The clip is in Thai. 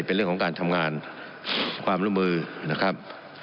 เป็นเรื่องของการทำงานความร่วมมือนะครับ